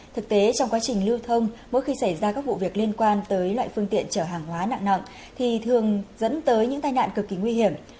thực tế trong quá trình lưu thông mỗi khi xảy ra các vụ việc liên quan tới loại phương tiện chở hàng hóa nặng thì thường dẫn tới những tai nạn cực kỳ nguy hiểm